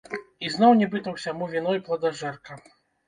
І зноў нібыта ўсяму віной пладажэрка.